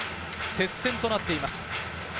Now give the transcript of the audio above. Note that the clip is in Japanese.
接戦となっています。